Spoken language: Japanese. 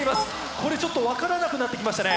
これちょっと分からなくなってきましたね。